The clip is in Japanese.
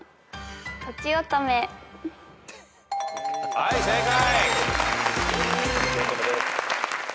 はい正解！